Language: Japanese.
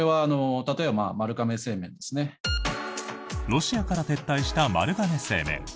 ロシアから撤退した丸亀製麺。